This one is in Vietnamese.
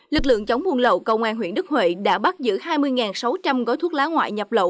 lực lượng chống buôn lậu công an huyện đức huệ đã bắt giữ hai mươi sáu trăm linh gói thuốc lá ngoại nhập lậu